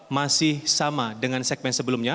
masih sama dengan segmen sebelumnya